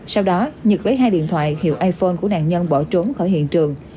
sau đó nhật lấy hai điện thoại hiệu iphone của nạn nhân bỏ trốn khỏi hiện trường